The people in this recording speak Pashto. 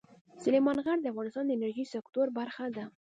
سلیمان غر د افغانستان د انرژۍ سکتور برخه ده.